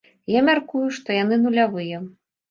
Я мяркую, што яны нулявыя.